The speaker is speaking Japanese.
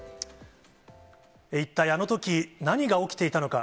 一体あのとき、何が起きていたのか。